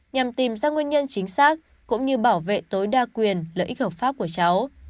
nhằm tìm ra nguyên nhân chính xác cũng như bảo vệ tối đa quyền lợi ích hợp pháp của cháu